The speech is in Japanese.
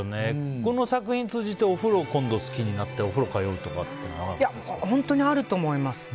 この作品を通じてお風呂が好きになってお風呂に通うとかってありますかね。